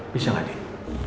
bisa gak din